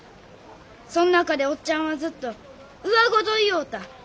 そん中でおっちゃんはずっとうわごと言よおった。